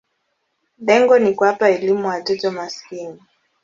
Lengo ni kuwapa elimu watoto maskini.